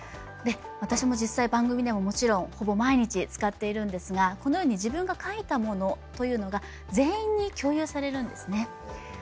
私も実際番組でももちろんほぼ毎日使っているんですがこのように自分が書いたものというのが全員に共有されるんですね。